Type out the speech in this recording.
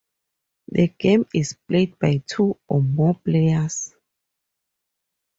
The games is played by two or more players.